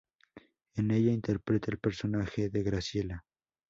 En ella interpreta el personaje de Graciela.